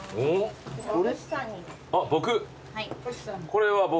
これは僕。